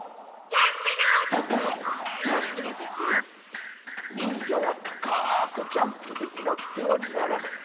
ジャンプのじゅつ？にんじゃはたかくジャンプできなくてはならない。